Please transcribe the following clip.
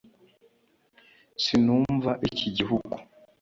sinumva iki gihugu.